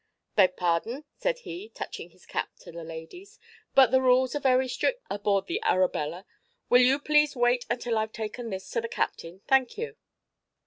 "Beg pardon," said he, touching his cap to the ladies, "but the rules are very strict aboard the Arabella. Will you please wait until I've taken this to the captain? Thank you!"